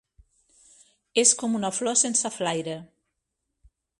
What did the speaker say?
Es com una flor sense flaire